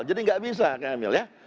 jadi nggak bisa kak emil ya